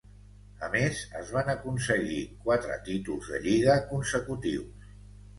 A més, es van aconseguir quatre títols de lliga consecutius.